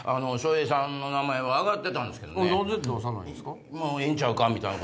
なぜ出さないんですか？